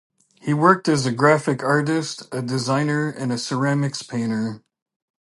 He worked as a graphic artist, a designer, and a ceramics painter.